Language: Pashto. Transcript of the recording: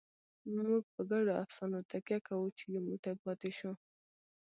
موږ په ګډو افسانو تکیه کوو، چې یو موټی پاتې شو.